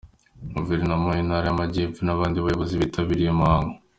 Guverineri w'intara y'Amajyepfo n'abandi bayobozi bitabiriye uyu muhango.